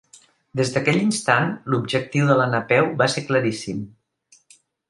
Des d'aquell instant, l'objectiu de la Napeu va ser claríssim.